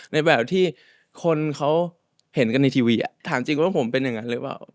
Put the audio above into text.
ในแบบที่คนเขาเห็นกันในทีวีถามจริงว่าผมเป็นอย่างนั้นหรือเปล่า